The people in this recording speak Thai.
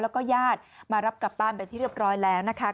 แล้วก็ญาติมารับกลับบ้านเป็นที่เรียบร้อยแล้วนะคะ